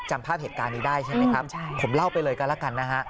จำภาพเหตุการณ์นี้ได้ใช่ไหมครับผมเล่าไปเลยก็แล้วกันนะฮะ